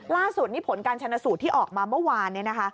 ล่าสุดนี่ผลการชนะสูตรที่ออกมาเมื่อวาน